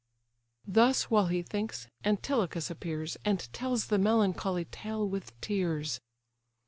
Thus while he thinks, Antilochus appears, And tells the melancholy tale with tears.